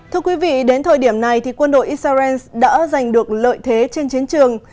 thưa quý vị đến thời điểm này quân đội israel đã giành được lợi thế trên chiến trường